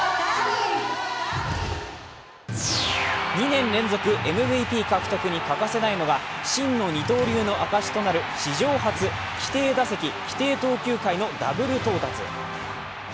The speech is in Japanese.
２年連続ＭＶＰ獲得に欠かせないのが真の二刀流の証しとなる史上初、規定打席規定投球回のダブル到達。